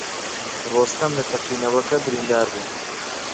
ڕۆستەم لە تەقینەوەک بریندار بوو.